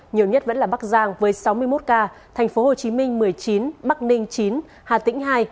nhiều nhất vẫn là bắc giang với sáu mươi một ca tp hcm một mươi chín bắc ninh chín hà tĩnh hai